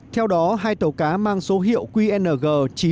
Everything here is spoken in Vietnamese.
theo đó hai tàu cá mang số hiệu qng chín mươi năm